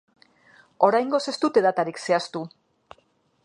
Oraingoz ez dute datarik zehaztu.